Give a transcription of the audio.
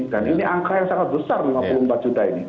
dan ini angka yang sangat besar lima puluh empat juta ini